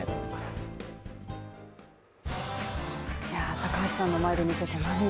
高橋さんの前で見せた涙。